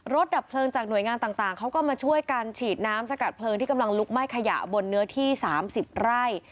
ดับเพลิงจากหน่วยงานต่างเขาก็มาช่วยกันฉีดน้ำสกัดเพลิงที่กำลังลุกไหม้ขยะบนเนื้อที่๓๐ไร่